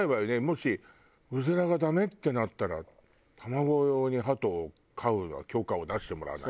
もしうずらがダメってなったら卵用にハトを飼う許可を出してもらわないと。